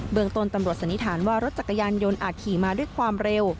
เมืองต้นตำรวจสันนิษฐานว่ารถจักรยานยนต์อาจขี่มาด้วยความเร็ว